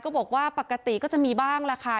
บอกว่าปกติก็จะมีบ้างล่ะค่ะ